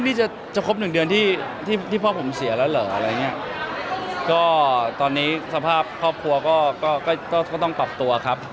นี่จะจะครบหนึ่งเดือนที่ที่พ่อผมเสียแล้วเหรออะไรอย่างเงี้ยก็ตอนนี้สภาพครอบครัวก็ก็ก็ต้องปรับตัวครับ